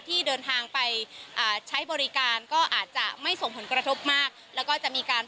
ที่เดินทางไปอ่าใช้บริการก็อาจจะไม่ส่งผลกระทบมากแล้วก็จะมีการ